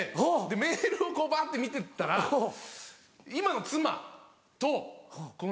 メールをこうバって見てったら今の妻とこの。